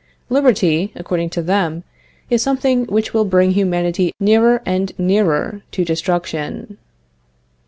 Liberty, according to them, is something which will bring humanity nearer and nearer to destruction.